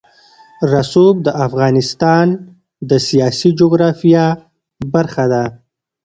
رسوب د افغانستان د سیاسي جغرافیه برخه ده.